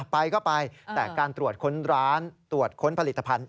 ไปก็ไปแต่การตรวจค้นร้านตรวจค้นผลิตภัณฑ์